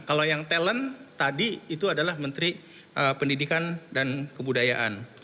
kalau yang talent tadi itu adalah menteri pendidikan dan kebudayaan